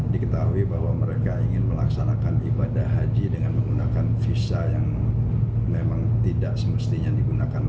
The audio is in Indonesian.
diketahui bahwa mereka ingin melaksanakan ibadah haji dengan menggunakan visa yang memang tidak semestinya digunakan